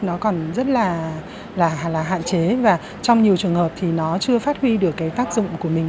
nó còn rất là hạn chế và trong nhiều trường hợp thì nó chưa phát huy được cái tác dụng của mình